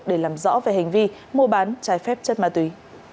để làm rõ về hành vi mua bán trái phép chất ma túy